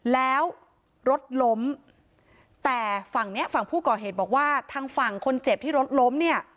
แล้วรถล้มแต่ฝั่งเนี้ยฝั่งผู้ก่อเหตุบอกว่าทางฝั่งคนเจ็บที่รถล้มเนี่ย